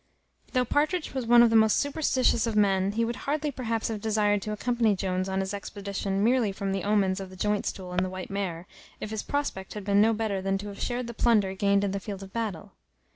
Though Partridge was one of the most superstitious of men, he would hardly perhaps have desired to accompany Jones on his expedition merely from the omens of the joint stool and white mare, if his prospect had been no better than to have shared the plunder gained in the field of battle.